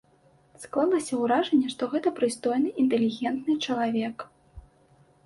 Склалася ўражанне, што гэта прыстойны інтэлігентны чалавек.